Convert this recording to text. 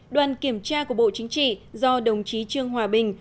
đoàn kiểm tra của bộ chính trị do đồng chí trương hòa bình